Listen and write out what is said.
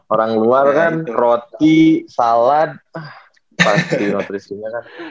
orang luar kan roti salad pasti nutrisinya kan